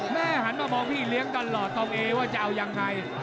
หันมามองพี่เลี้ยงตลอดตองเอว่าจะเอายังไง